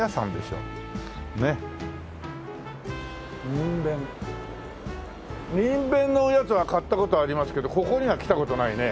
「にんべん」にんべんのおやつは買った事ありますけどここには来た事ないね。